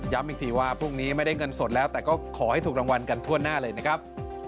อีกทีว่าพรุ่งนี้ไม่ได้เงินสดแล้วแต่ก็ขอให้ถูกรางวัลกันทั่วหน้าเลยนะครับ